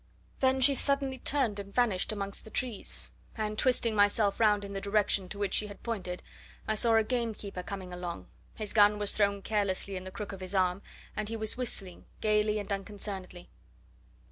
Then she suddenly turned and vanished amongst the trees, and, twisting myself round in the direction to which she had pointed, I saw a gamekeeper coming along. His gun was thrown carelessly in the crook of his arm, and he was whistling, gaily and unconcernedly.